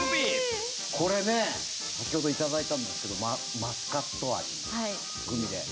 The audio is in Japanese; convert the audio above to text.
これね先ほど頂いたんですけどマスカット味のグミで。